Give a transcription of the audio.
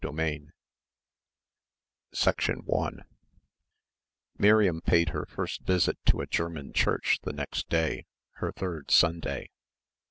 CHAPTER IV 1 Miriam paid her first visit to a German church the next day, her third Sunday.